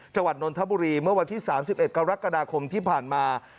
นนทบุรีเมื่อวันที่๓๑กรกฎาคมที่ผ่านมา